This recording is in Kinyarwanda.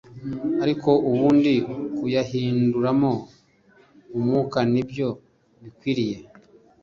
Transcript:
ariko ubundi kuyahinduramo umwuka ni byo bikwiriye